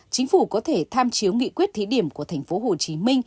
chính phủ có thể tham chiếu nghị quyết thí điểm của tp hcm